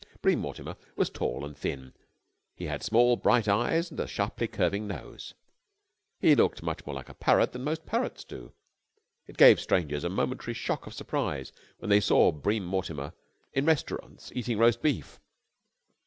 Bream Mortimer was tall and thin. He had small, bright eyes and a sharply curving nose. He looked much more like a parrot than most parrots do. It gave strangers a momentary shock of surprise when they saw Bream Mortimer in restaurants eating roast beef.